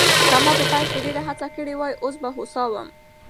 که ما په پیل کې ډېره هڅه کړې وای، اوس به هوسا وم.